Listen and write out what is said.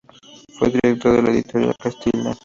Fue director de la Editorial Castalia.